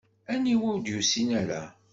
Aniwa ur d-yusin ara?